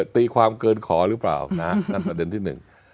ตีความเกินขอหรือเปล่านะนั่นประเด็นที่หนึ่ง